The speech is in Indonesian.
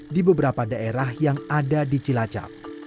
di beberapa daerah yang ada di cilacap